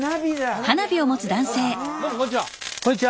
どうもこんにちは。